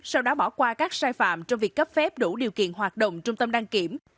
sau đó bỏ qua các sai phạm trong việc cấp phép đủ điều kiện hoạt động trung tâm đăng kiểm